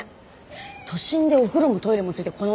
都心でお風呂もトイレも付いてこの値段って。